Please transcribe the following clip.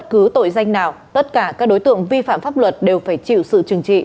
cứ tội danh nào tất cả các đối tượng vi phạm pháp luật đều phải chịu sự trừng trị